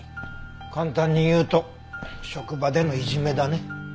簡単に言うと職場でのイジメだね。